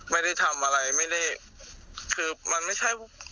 แค่นี้ผมก็ช้ำพอแล้วครับพี่